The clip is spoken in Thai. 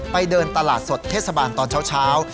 เดินตลาดสดเทศบาลตอนเช้า